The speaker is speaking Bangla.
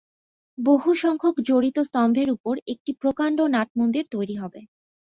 বহুসংখ্যক জড়িত স্তম্ভের উপর একটি প্রকাণ্ড নাটমন্দির তৈরী হবে।